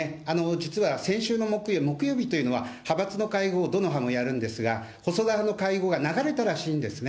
実は先週の木曜、木曜日というのは、派閥の会合をどの派もやるんですが、細田派の会合が流れたらしいんですね。